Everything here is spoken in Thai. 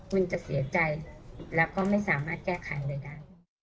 มันจะเสียใจแล้วก็ไม่สามารถแก้ไขอะไรได้